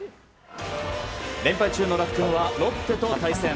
連敗中の楽天はロッテと対戦。